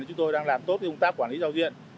chúng tôi đang làm tốt công tác quản lý giao diện